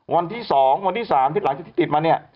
วันที่๒วันที่๓ที่หลังจากที่ติดมาเนี่ย